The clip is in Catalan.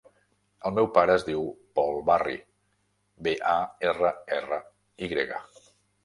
El meu pare es diu Pol Barry: be, a, erra, erra, i grega.